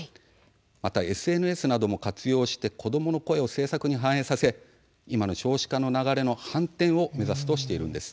また、ＳＮＳなども活用して子どもの声を政策に反映させ今の少子化の流れの反転を目指すとしているんです。